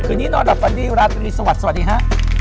คุณนี่นอนอัพพันดี้วันนี้สวัสดีสวัสดีฮะ